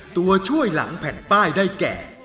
ตัวช่วยหลังแผ่นป้ายได้แก่